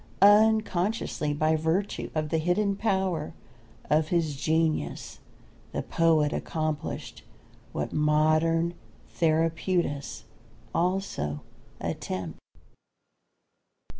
Unconsciously, by virtue of the hidden power of his genius, the poet accomplished what modern therapeutists also attempt.